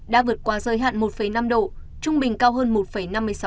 đã vượt qua rơi hạn một năm độ trung bình cao hơn một năm mươi sáu độ